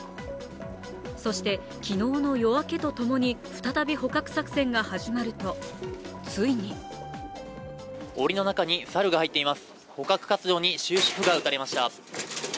そして昨日の夜明けと共に再び捕獲作戦が始まるとついにおりの中に猿が入っています捕獲作戦が終止符が打たれました。